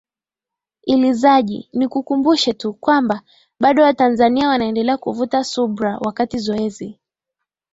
ilizaji ni kukumbushe tu kwamba bado watanzania wanaendelea kuvuta subra wakati zoezi